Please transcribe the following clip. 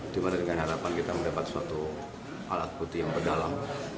dimana dengan harapan kita mendapat suatu alat bukti yang berdalam